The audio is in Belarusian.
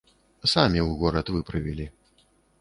Самі ў горад выправілі.